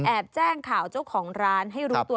แจ้งข่าวเจ้าของร้านให้รู้ตัว